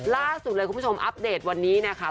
ล่าสุดเลยคุณผู้ชมอัปเดตวันนี้นะคะ